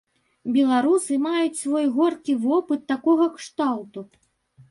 Беларусы маюць свой горкі вопыт такога кшталту.